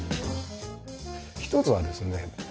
一つはですね